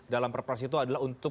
dalam perpres itu adalah untuk